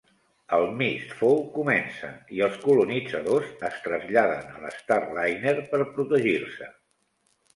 El Mistfall comença i els colonitzadors es traslladen a l'Starliner per protegir-se.